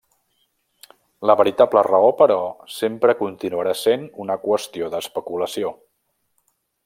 La veritable raó, però, sempre continuarà sent una qüestió d'especulació.